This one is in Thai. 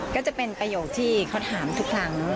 ก็จะเป็นประโยคที่เขาถามทุกครั้ง